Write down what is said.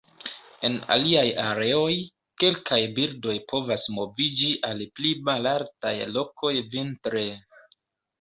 En aliaj areoj, kelkaj birdoj povas moviĝi al pli malaltaj lokoj vintre.